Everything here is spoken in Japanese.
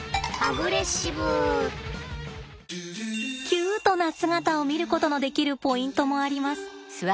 キュートな姿を見ることのできるポイントもあります。